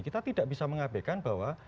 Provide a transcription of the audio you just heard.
kita tidak bisa mengabekan bahwa